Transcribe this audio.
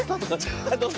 どうぞ。